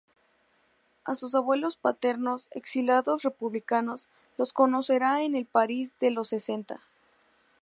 A sus abuelos paternos, exilados republicanos, los conocerá en el París de los sesenta.